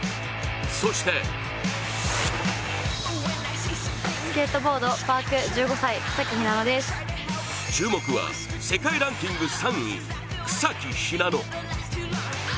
そして注目は世界ランキング３位、草木ひなの。